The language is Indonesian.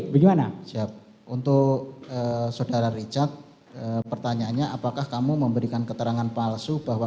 bagaimana siap untuk saudara richard pertanyaannya apakah kamu memberikan keterangan palsu bahwa